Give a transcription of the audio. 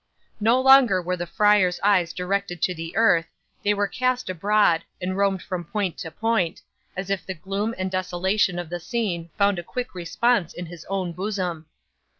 'No longer were the friar's eyes directed to the earth; they were cast abroad, and roamed from point to point, as if the gloom and desolation of the scene found a quick response in his own bosom.